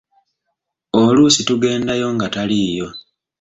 Oluusi tugendayo nga taliiyo.